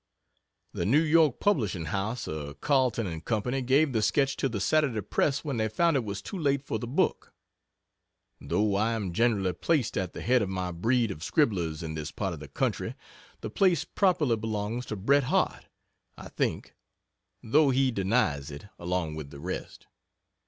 The New York publishing house of Carleton & Co. gave the sketch to the Saturday Press when they found it was too late for the book. Though I am generally placed at the head of my breed of scribblers in this part of the country, the place properly belongs to Bret Harte, I think, though he denies it, along with the rest.